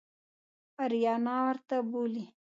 آریانا ورته بولي.